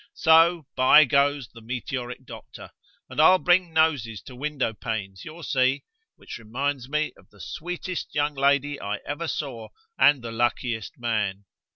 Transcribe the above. So, by goes the meteoric doctor, and I'll bring noses to window panes, you'll see, which reminds me of the sweetest young lady I ever saw, and the luckiest man.